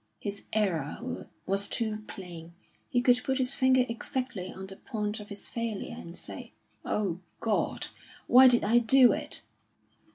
His error was too plain; he could put his finger exactly on the point of his failure and say, "O God! why did I do it?"